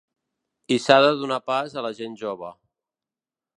I s’ha de donar pas a la gent jove.